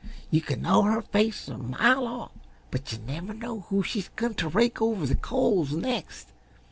You can know her face a mile off, but yuh never know who she's goin' t' rake over the coals next.